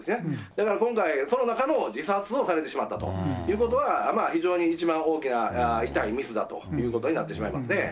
だから今回、その中の自殺をされてしまったということは、非常に一番大きな痛いミスだということになってしまいますね。